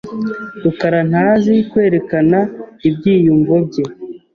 rukara ntazi kwerekana ibyiyumvo bye .